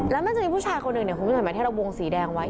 แล้วมันจะมีผู้ชายคนหนึ่งเนี่ยคุณผู้ชมเห็นไหมที่เราวงสีแดงไว้